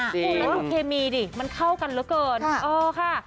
แล้วดูเคมีดิมันเข้ากันเหลือเกินเออค่ะ